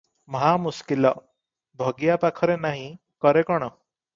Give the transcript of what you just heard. ମହାମୁସ୍କିଲ! ଭଗିଆ ପାଖରେ ନାହିଁ, କରେ କଣ?